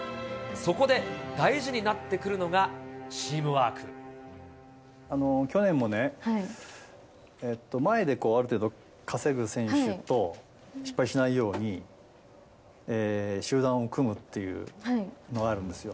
そこで、大事になってくるのがチ去年もね、前である程度稼ぐ選手と、失敗しないように集団を組むっていうのがあるんですよ。